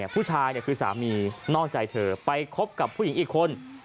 ผู้ชายคือสามีนอกใจเธอไปคบกับผู้หญิงอีกคน